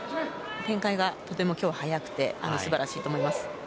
展開がとても速くて素晴らしいと思います。